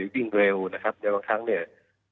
ยิ่งเร็วนะครับในบางครั้งเนี่ย